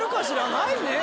ないよね。